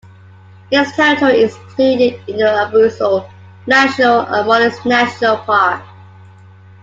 Its territory is included in the Abruzzo, Lazio and Molise National Park.